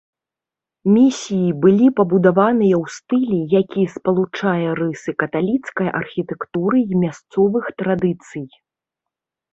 Місіі былі пабудаваныя ў стылі, які спалучае рысы каталіцкай архітэктуры і мясцовых традыцый.